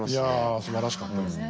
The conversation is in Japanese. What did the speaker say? いやすばらしかったです。